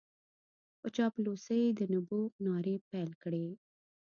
په چاپلوسۍ د نبوغ نارې پېل کړې.